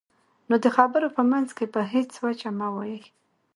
نو د خبرو په منځ کې په هېڅ وجه مه وایئ.